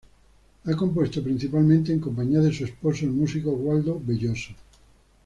Ha compuesto principalmente en compañía de su esposo, el músico Waldo Belloso.